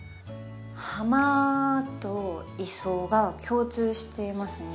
「ハマ」と「イソ」が共通していますね。